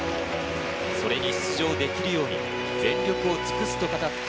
それに出場できるように全力を尽くすと語った